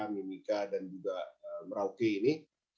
mimika dan juga merauke ini